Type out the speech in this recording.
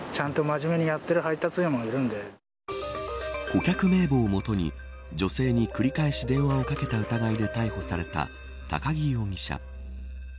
顧客名簿を元に女性に繰り返し電話をかけた疑いで逮捕された都木容疑者。